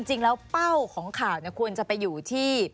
จริงแล้วเป้าของข่าวควรจะไปอยู่ที่